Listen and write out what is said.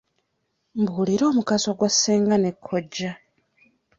Mbuulira omugaso gwa ssenga ne kojja?